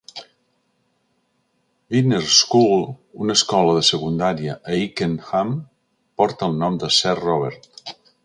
Vyners School, una escola de secundària a Ickenham, porta el nom de Sir Robert.